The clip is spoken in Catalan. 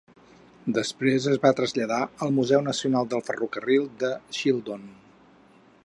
Després es va traslladar al Museu Nacional del Ferrocarril de Shildon.